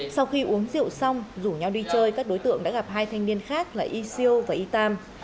sau khi uống rượu xong rủ nhau đi chơi các đối tượng đã gặp hai thanh niên khác là isil và itam